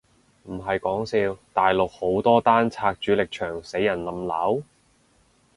唔係講笑，大陸好多單拆主力牆死人冧樓？